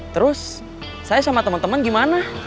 terus saya sama teman teman gimana